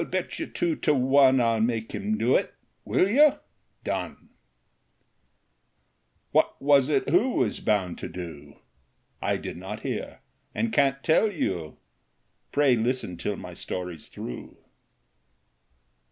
I '11 bet you two to one I '11 make him do it !"" Will you ? Done !" What was it who was bound to do ? I did not hear and can't tell you, — Pray listen till my story 's through.